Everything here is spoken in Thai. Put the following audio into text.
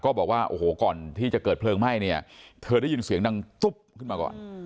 บอกว่าโอ้โหก่อนที่จะเกิดเพลิงไหม้เนี่ยเธอได้ยินเสียงดังตุ๊บขึ้นมาก่อน